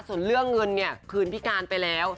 ส่วนเรื่องเงินเนี่ยคืนพิการไปแล้ว